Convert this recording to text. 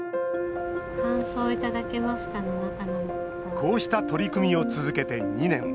こうした取り組みを続けて２年。